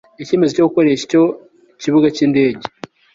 icyemezo cyo gukoresha icyo kibuga cy indege